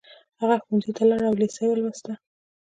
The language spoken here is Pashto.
هغه ښوونځي ته لاړ او لېسه يې ولوسته